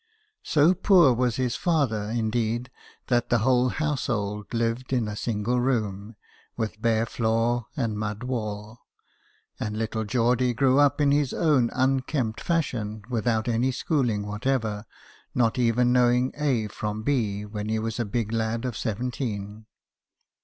So poor was his father, indeed, that the whole household lived in a single room, with bare floor and mud wall ; and little Geordie grew up in his own unkempt fashion without any schooling what ever, not even knowing A from B when he was a big lad of seventeen.